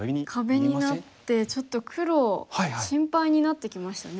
壁になってちょっと黒心配になってきましたね。